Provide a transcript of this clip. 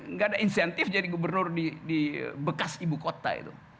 nggak ada insentif jadi gubernur di bekas ibu kota itu